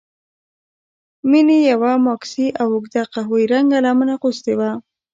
مينې يوه ماکسي او اوږده قهويي رنګه لمن اغوستې وه.